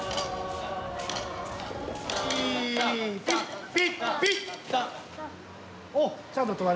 ピッピッピッピ。